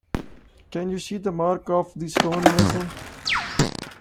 Can you see the mark of the stonemason?